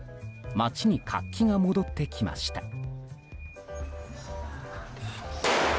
街に活気が戻ってきました。